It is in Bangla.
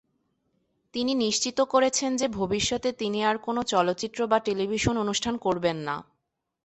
তিনি নিশ্চিত করেছেন যে ভবিষ্যতে তিনি আর কোন চলচ্চিত্র বা টেলিভিশন অনুষ্ঠান করবেন না।